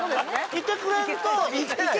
きてくれんといけない。